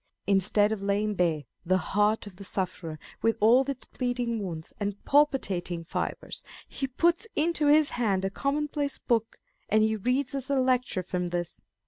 Instead of laying bare the heart of the sufferer with all its bleeding wounds and palpitating fibres, he puts into his hand a commonplace book, and he reads us a lecture from this.